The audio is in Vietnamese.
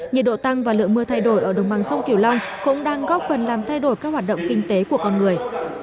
nhiệt độ tăng và lượng mưa thay đổi ở đồng bằng sông kiều long cũng đang góp phần làm thay đổi các hoạt động kinh tế của con người